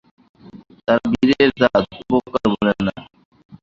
তারা বীরের জাত, উপকার ভোলে না।